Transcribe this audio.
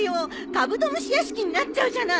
カブトムシ屋敷になっちゃうじゃない。